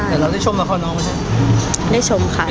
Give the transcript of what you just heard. แต่เราได้ชมละคร้อน้องไม่ใช่ได้ชมค่ะได้ชมแล้วดู